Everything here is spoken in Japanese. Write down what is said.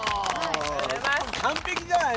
完璧じゃない！